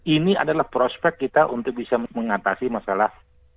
ini adalah prospek kita untuk bisa mengatasi masalah